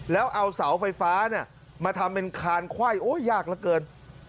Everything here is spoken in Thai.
แล้วเอาเสาไฟฟ้ามาทำเป็นคานไขว้โอ้ยยากเหลือเกิน